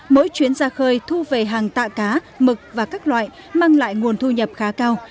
mỗi chuyến ra khơi thu về hàng tạ cá mực và các loại mang lại nguồn thu nhập khá cao